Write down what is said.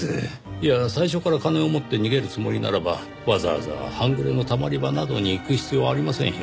いや最初から金を持って逃げるつもりならばわざわざ半グレのたまり場などに行く必要はありませんよ。